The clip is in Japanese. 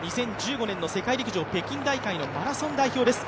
２０１５年の世界陸上北京大会のマラソン代表です。